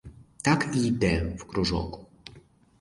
Так і йде в кружок.